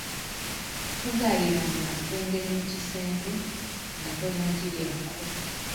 Togayiranga mpengere mu kisenge nga tonnagiryako.